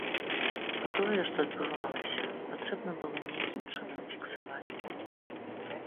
Бо тое, што адбывалася, патрэбна было нейкім чынам фіксаваць.